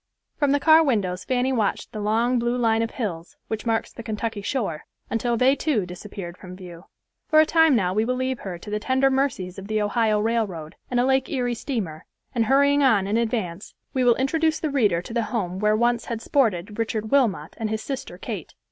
From the car windows Fanny watched the long blue line of hills, which marks the Kentucky shore, until they, too, disappeared from view. For a time now we will leave her to the tender mercies of the Ohio railroad, and a Lake Erie steamer, and hurrying on in advance, we will introduce the reader to the home where once had sported Richard Wilmot and his sister Kate.